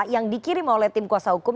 yang dikirim oleh tim kuasa hukum